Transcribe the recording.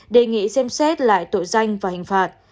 đề nghị xem xét lại tội danh và hình phạt